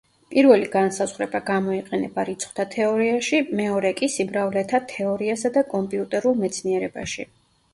პირველი განსაზღვრება გამოიყენება რიცხვთა თეორიაში, მეორე კი სიმრავლეთა თეორიასა და კომპიუტერულ მეცნიერებაში.